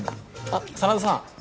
あっ真田さん